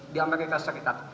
di amerika serikat